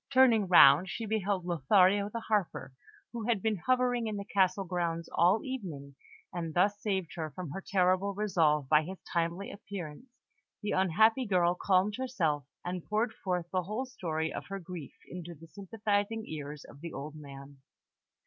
Turning round, she beheld Lothario the Harper, who had been hovering in the castle grounds all evening; and thus saved from her terrible resolve by his timely appearance, the unhappy girl calmed herself, and poured forth the whole story of her grief into the sympathising ears of the old man.